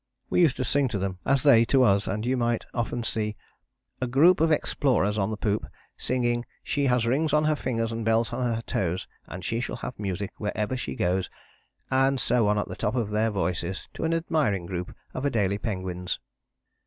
We used to sing to them, as they to us, and you might often see "a group of explorers on the poop, singing 'She has rings on her fingers and bells on her toes, and she shall have music wherever she goes,' and so on at the top of their voices to an admiring group of Adélie penguins."